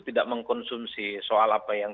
tidak mengkonsumsi soal apa yang